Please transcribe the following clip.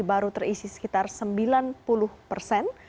baru terisi sekitar sembilan puluh persen